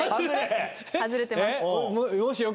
外れてます。